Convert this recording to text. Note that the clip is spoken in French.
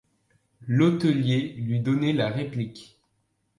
L’hôtelier lui donnait la réplique.